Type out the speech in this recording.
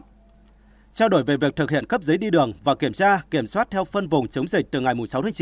trao đổi về việc thực hiện cấp giấy đi đường và kiểm tra kiểm soát theo phân vùng chống dịch từ ngày sáu tháng chín